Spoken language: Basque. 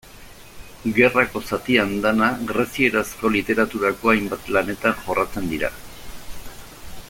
Gerrako zati andana grezierazko literaturako hainbat lanetan jorratzen dira.